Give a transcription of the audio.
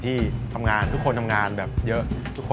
ที่ทุกคนทำงานแบบเยอะ